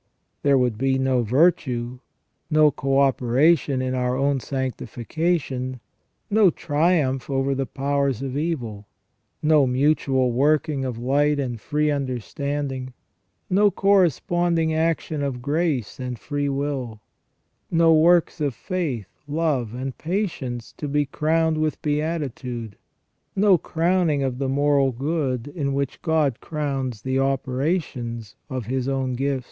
There would be no virtue ; no co operation in our own sanctification ; no triumph over the powers of evil ; no mutual working of light and free understanding; no corresponding action of grace and free will ; no works of faith, love, and patience to be crowned with beatitude ; no crowning of the moral good in which God crowns the operations of His own gifts.